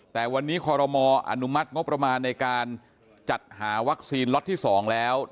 แต่วันนี้คอรมออนุมัติงบประมาณในการจัดหาวัคซีนล็อตที่๒แล้ว